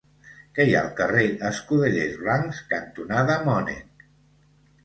Què hi ha al carrer Escudellers Blancs cantonada Mònec?